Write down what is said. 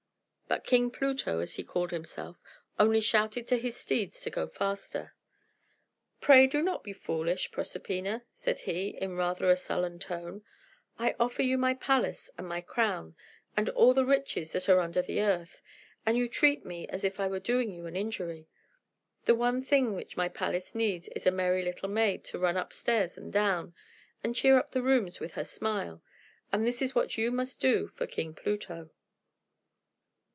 But King Pluto, as he called himself, only shouted to his steeds to go faster. "Pray do not be foolish, Proserpina," said he, in rather a sullen tone, "I offer you my palace and my crown, and all the riches that are under the earth; and you treat me as if I were doing you an injury. The one thing which my palace needs is a merry little maid, to run up stairs and down, and cheer up the rooms with her smile. And this is what you must do for King Pluto."